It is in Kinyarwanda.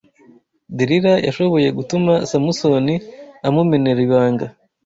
Delila yashoboye gutuma Samusoni amumenera ibanga